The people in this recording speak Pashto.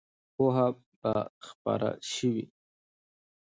پوهه به خپره سوې وي.